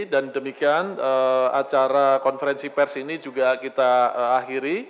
dan demikian acara konferensi pers ini juga kita akhiri